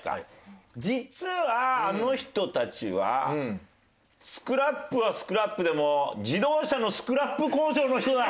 実はあの人たちはＳＣＲＡＰはＳＣＲＡＰでも自動車のスクラップ工場の人だ。